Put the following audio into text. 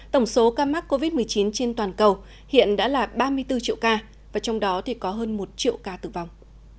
tổng số ca mắc covid một mươi chín trên toàn cầu hiện đã là ba mươi bốn triệu ca và trong đó thì có hơn một triệu ca tử vong